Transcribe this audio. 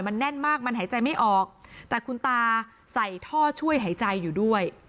มันแน่นมากมันหายใจไม่ออกแต่คุณตาใส่ท่อช่วยหายใจอยู่ด้วย